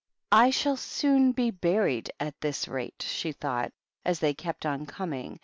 " I shall soon be buried at this rate," she thought, as they kept on coming.